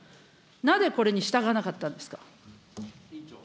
なぜこれに従わなかったんですか。